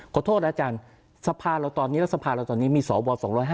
ขอโทษอาจารย์สภาเราตอนนี้รัฐสภาเราตอนนี้มีสว๒๕